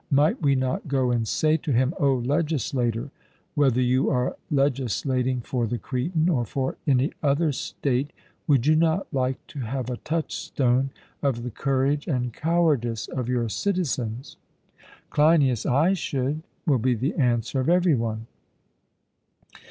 Might we not go and say to him, 'O legislator, whether you are legislating for the Cretan, or for any other state, would you not like to have a touchstone of the courage and cowardice of your citizens?' CLEINIAS: 'I should,' will be the answer of every one.